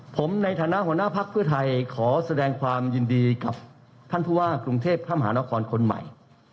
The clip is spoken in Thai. ผมในฐานะหัวหน้าภักดิ์เพื่อไทยขอแสดงความยินดีกับท่านผู้ว่ากรุงเทพข้ามหานครคนใหม่